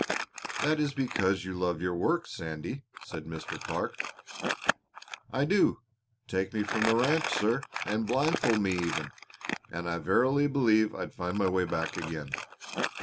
"That is because you love your work, Sandy," said Mr. Clark. "I do. Take me from the ranch, sir, and blindfold me even, and I verily believe I'd find my way back again.